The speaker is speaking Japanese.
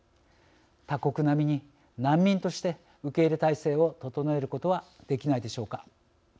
他国並みに難民として受け入れ態勢を整えることはできないでしょうか。